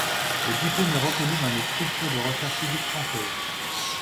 Le diplôme est reconnu dans les structures de recherches publiques françaises.